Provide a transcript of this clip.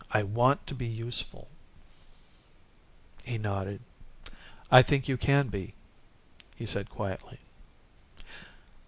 I want to be useful." He nodded. "I think you can be," he said quietly.